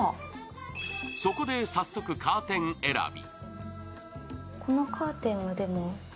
そこで早速カーテン選び。